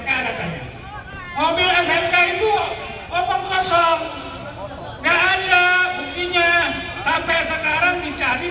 aku tahu ada satu orang yang exhale